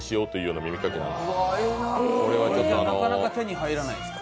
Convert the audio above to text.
なかなか手に入らないんですか？